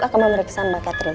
akan memeriksa mbak catherine